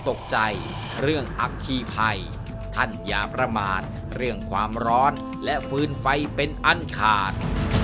ตกใจเรื่องอัคคีภัยท่านอย่าประมาทเรื่องความร้อนและฟื้นไฟเป็นอันขาด